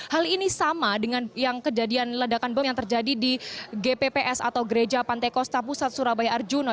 hal ini sama dengan yang kejadian ledakan bom yang terjadi di gpps atau gereja pantai kosta pusat surabaya arjuna